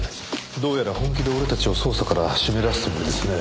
どうやら本気で俺たちを捜査から締め出すつもりですね。